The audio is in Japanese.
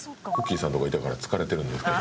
さんとかいたから疲れてるんですけど。